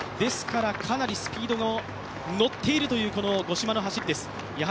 かなりスピードがのっているという五島の走りです。